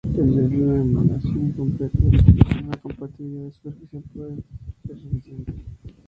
En vez de una emulación completa del equipo, una compatibilidad superficial puede ser suficiente.